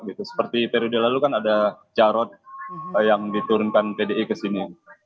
seperti periode lalu kan ada jarod yang diturunkan pdi ke sini